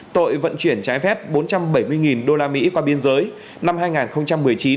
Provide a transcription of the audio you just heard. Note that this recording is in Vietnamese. tội vận chuyển trái phép bốn trăm bảy mươi usd qua biên giới năm hai nghìn một mươi chín